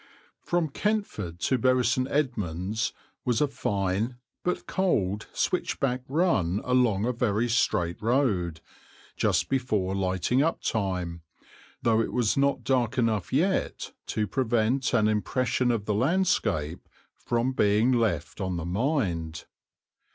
From Kentford to Bury St. Edmunds was a fine, but cold, switchback run along a very straight road, just before lighting up time, though it was not dark enough yet to prevent an impression of the landscape from being left on the mind.